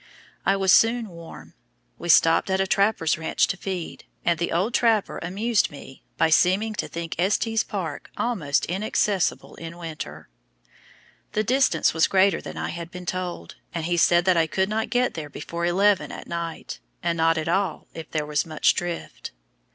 I was soon warm. We stopped at a trapper's ranch to feed, and the old trapper amused me by seeming to think Estes Park almost inaccessible in winter. The distance was greater than I had been told, and he said that I could not get there before eleven at night, and not at all if there was much drift.